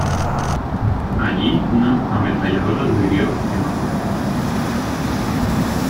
Allí una ametralladora lo hirió a quemarropa.